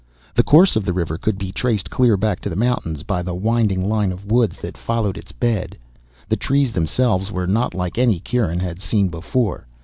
The course of the river could be traced clear back to the mountains by the winding line of woods that followed its bed. The trees themselves were not like any Kieran had seen before.